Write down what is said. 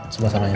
sebelah sana aja